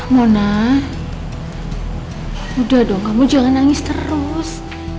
monar udah dong kamu jangan nangis terus